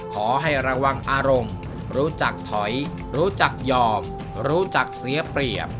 ขอให้ระวังอารมณ์รู้จักถอยรู้จักยอมรู้จักเสียเปรียบ